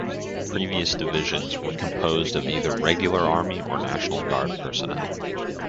Previous divisions were composed of either Regular Army or National Guard personnel.